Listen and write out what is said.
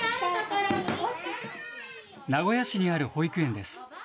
名古屋市にある保育園です。